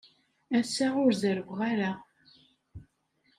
Ass-a, ur zerrweɣ ara.